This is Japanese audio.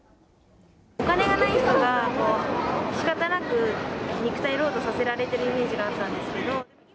お金がない人がしかたなく肉体労働させられてるイメージがあったんですけど。